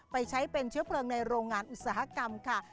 ไปใช้เป็นเชื้อเพลิงในโรงงานอุตสาหกรรมค่ะ